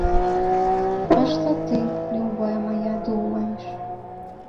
А што ты, любая мая, думаеш?